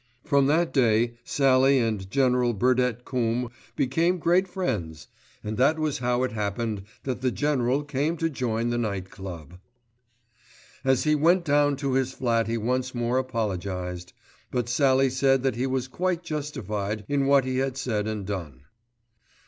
From that day Sallie and General Burdett Coombe became great friends, and that was how it happened that the General came to join the Night Club. As he went down to his flat he once more apologised; but Sallie said that he was quite justified in what he had said and done.